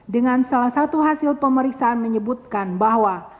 dengan salah satu hasil pemeriksaan menyebutkan bahwa